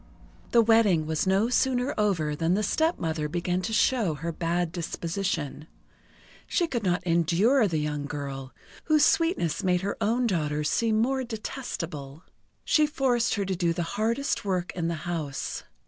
The wedding was no sooner over than the stepmother began to show her bad disposition. She could not endure the young girl, whose sweetness made her own daughters seem more detestable. She forced her to do the hardest work in the house.